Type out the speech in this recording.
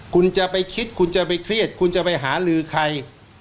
คุณจะไปคิดคุณจะไปเครียดคุณจะไปหาลือใคร